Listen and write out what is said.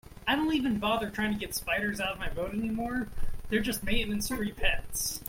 I don't even bother trying to get spiders out of my boat anymore, they're just maintenance-free pets.